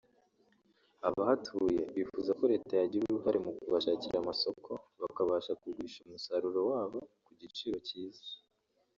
abahatuye bifuza ko Leta yagira uruhare mu kubashakira amasoko bakabasha kugurisha umusaruro wabo ku giciro cyiza